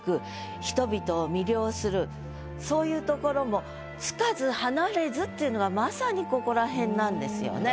人々を魅了するそういうところもっていうのがまさにここらへんなんですよね。